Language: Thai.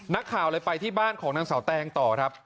นักข่าวเลยไปที่บ้านของนางสาวแตงต่อครับ